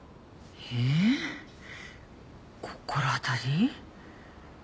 えー心当たり？